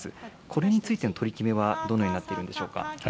これについての取り決めは、どのようになっているんでしょうか。